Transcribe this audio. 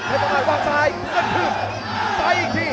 ใครต้องมาวางซ้ายก็ถึงไปอีกที